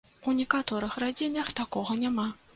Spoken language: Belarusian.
У некаторых радзільнях такога няма.